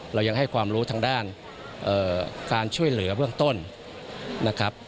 เรายังให้ความรู้ทางด้านการช่วยเหลือเบื้องต้นนะครับ